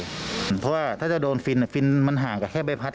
เพราะว่าถ้าจะโดนฟินฟินมันห่างกับแค่ใบพัด